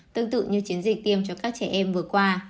tương tự như chiến dịch tiêm cho các trẻ em vừa qua